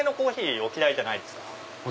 全然嫌いじゃないです。